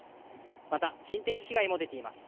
また、人的被害も出ています。